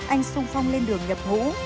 anh sung phong lên đường nhập hũ